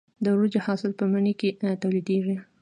د وریجو حاصل په مني کې ټولېږي.